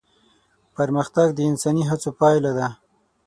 پرمختګ د انساني هڅو پايله ده.